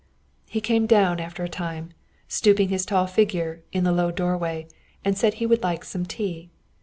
He came down after a time, stooping his tall figure in the low doorway, and said he would like some tea.